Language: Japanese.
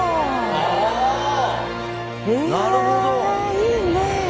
いいね。